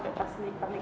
tidak bisa terlupakan